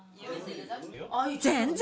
全然。